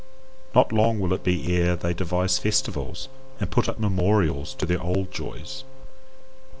Not long will it be ere they devise festivals, and put up memorials to their old joys.